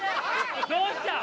どうした？